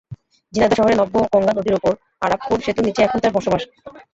ঝিনাইদহ শহরে নবগঙ্গা নদীর ওপর আরাপপুর সেতুর নিচেই এখন তাঁর বসবাস।